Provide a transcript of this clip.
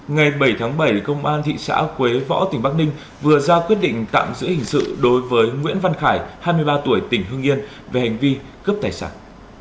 ngày bảy tháng bảy công an thị xã quế võ tỉnh bắc ninh vừa ra quyết định tạm giữ hình sự đối với nguyễn văn khải hai mươi ba tuổi tỉnh hương yên về hành vi cướp tài sản